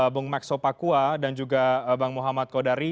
bung maxo pakua dan juga bang muhammad kodari